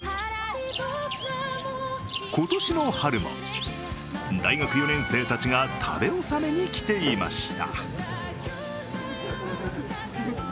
今年の春も、大学４年生たちが食べ納めに来ていました。